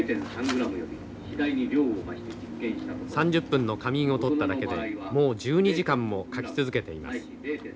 ３０分の仮眠を取っただけでもう１２時間も描き続けています。